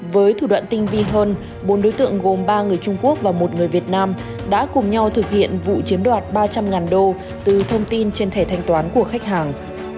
với thủ đoạn tinh vi hơn bốn đối tượng gồm ba người trung quốc và một người việt nam đã cùng nhau thực hiện vụ chiếm đoạt ba trăm linh đô từ thông tin trên thẻ thanh toán của khách hàng